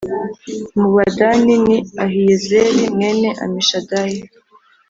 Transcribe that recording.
mu Badani ni Ahiyezeri mwene Amishadayi